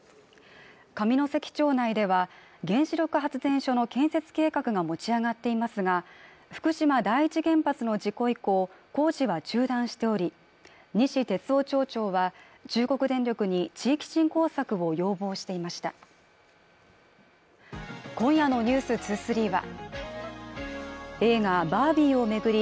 上関町内では原子力発電所の建設計画が持ち上がっていますが福島第一原発の事故以降工事は中断しており西哲夫町長は中国電力に地域振興策を要望していました今夜の「ｎｅｗｓ２３」は映画「バービー」を巡り